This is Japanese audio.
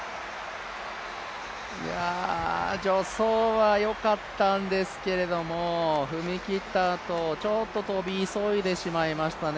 助走はよかったんですけれども、踏み切ったあと、ちょっと跳び急いでしまいましたね。